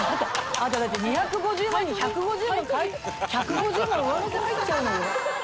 あなただって２５０万に１５０も１５０も上乗せ入っちゃうのよ？